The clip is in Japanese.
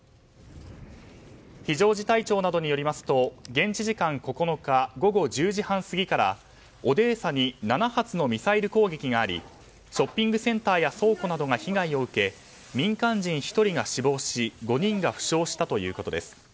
非常事態庁などによりますと現地時間９日午後１０時半過ぎからオデーサに７発のミサイル攻撃がありショッピングセンターや倉庫などが被害を受け民間人１人が死亡し５人が負傷したということです。